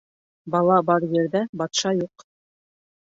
Бала бар ерҙә батша юҡ.